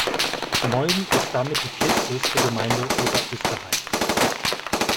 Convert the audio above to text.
Molln ist damit die viertgrößte Gemeinde Oberösterreichs.